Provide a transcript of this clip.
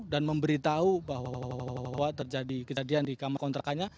dan memberitahu bahwa terjadi kejadian di kamar kontrakannya